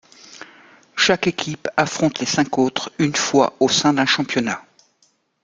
Chaque équipe affronte les cinq autres une fois au sein d'un championnat.